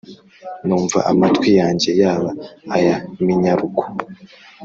numva amatwi yanjye yaba aya minyaruko